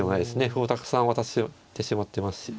歩をたくさん渡してしまってますし。